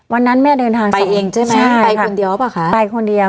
วันนั้นแม่เดินทางไปคนเดียว